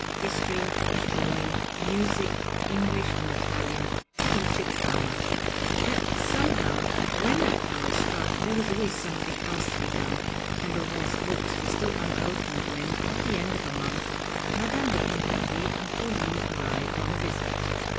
History, drawing, music, English and Italian, had each its hour; but somehow when that hour struck there was always something else to be done, and Aurore's books were still unopened when, at the end of a month, Madame de Pontcarré and Pauline arrived on a visit.